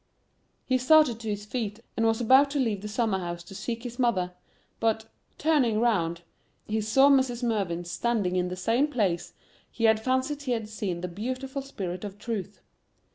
He started to his feet, and was about to leave the summer house to seek his mother, but, turning round, he saw Mrs. Mervyn standing in the same place he had fancied he had seen the beautiful spirit of Truth.